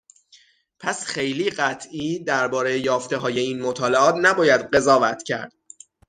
پس خیلی قطعی درباره یافتههای این مطالعات نباید قضاوت کرد.